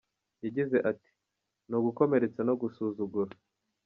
Yagize ati ’’ Ni ugukomeretsa no gusuzugura.